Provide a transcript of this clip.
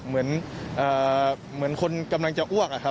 เหมือนคนกำลังจะอ้วก